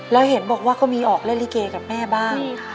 แล้วเห็นบอกว่าก็มีออกเล่นลิเกกับแม่บ้าง